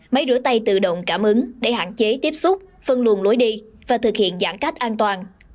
máy rửa tay tự động cảm ứng để hạn chế tiếp xúc phân luồng lối đi và thực hiện giãn cách an toàn